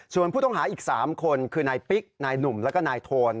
ส่วนผู้ต้องหาอีก๓คนคือนายปิ๊กนายหนุ่มแล้วก็นายโทน